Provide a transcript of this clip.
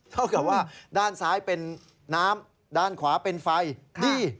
เท่ากับว่าด้านซ้ายเป็นน้ำด้านขวาเป็นไฟดี